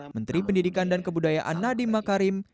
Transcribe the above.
menteri pendidikan dan kebudayaan nadiem makarim